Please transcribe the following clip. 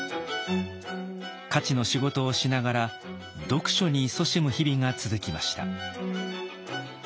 徒の仕事をしながら読書にいそしむ日々が続きました。